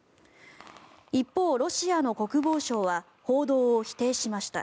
一方、ロシアの国防省は報道を否定しました。